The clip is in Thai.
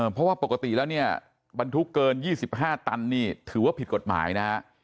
เพราะว่าปกติแล้วเนี่ยบรรทุกเกิน๒๕ตันนี่ถือว่าผิดกฎหมายนะฮะ